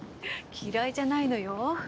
嫌いじゃないのよ